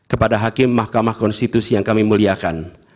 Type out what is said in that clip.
kepada hakim mahkamah konstitusi yang kami muliakan